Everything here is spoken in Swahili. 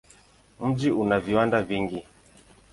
Mji una viwanda vingi.